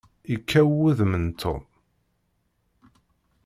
Yekkaw wudem n Tom.